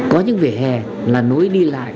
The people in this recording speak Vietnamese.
có những vỉa hè là nối đi lại